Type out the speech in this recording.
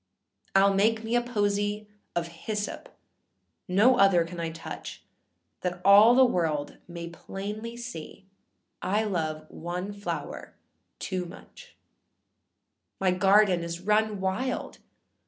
Iâll make me a posy of hyssop, âno other I can touch,â That all the world may plainly see I love one flower too much; My garden is run wild!